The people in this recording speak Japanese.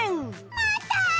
また！？